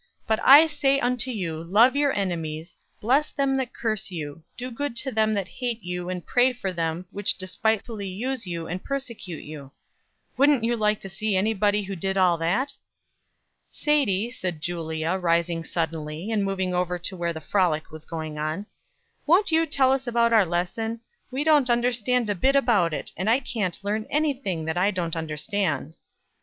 'But I say unto you, Love your enemies, bless them that curse you, do good to them that hate you and pray for them which despitefully use you and persecute you.' Wouldn't you like to see anybody who did all that?" "Sadie," said Julia, rising suddenly, and moving over to where the frolic was going on, "won't you tell us about our lesson? We don't understand a bit about it; and I can't learn any thing that I don't understand."